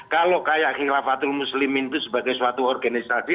kalau kayak kilafatul muslimin itu sebagai suatu organisasi